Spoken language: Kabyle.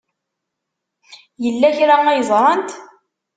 Yella kra ay ẓrant?